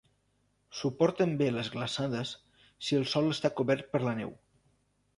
Suporten bé les glaçades si el sòl està cobert per la neu.